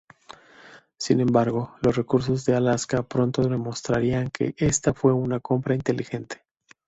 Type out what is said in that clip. Sin embargo, los recursos de Alaska pronto demostrarían que esta fue una compra inteligente.